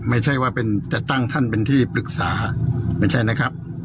ไม่ใช่ว่าจะตั้งท่านเป็นที่ปรึกษาไม่ใช่นะครับ